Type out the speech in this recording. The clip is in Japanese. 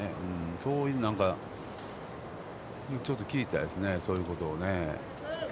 そういうなんか、ちょっと聞いたですね、そういうことをね。